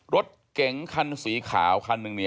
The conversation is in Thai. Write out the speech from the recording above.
รถเก๋งคันสีขาวคันหนึ่ง